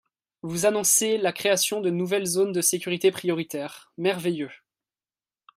Vous annoncez la création de nouvelles zones de sécurité prioritaire, merveilleux.